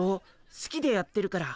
すきでやってるから。